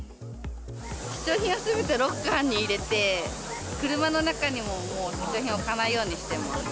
貴重品はすべてロッカーに入れて、車の中にももう貴重品は置かないようにしています。